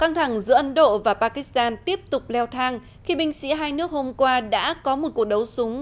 căng thẳng giữa ấn độ và pakistan tiếp tục leo thang khi binh sĩ hai nước hôm qua đã có một cuộc đấu súng